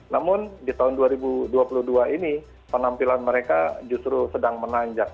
namun di tahun dua ribu dua puluh dua ini penampilan mereka justru sedang menanjak